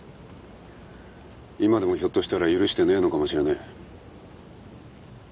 今でもひょっとしたら許してねえのかもしれねえ。